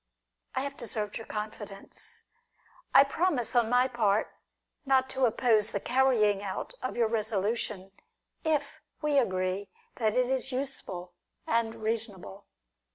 I have deserved your confidence. I promise, on my part, not to oppose the carrying out of your resolution, if we agree that it is useful and reasonable.